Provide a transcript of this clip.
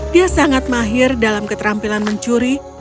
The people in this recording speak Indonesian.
dia sangat mahir dalam keterampilan mencuri